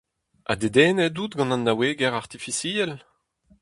Ha dedennet out gant an naouegezh artifisiel ?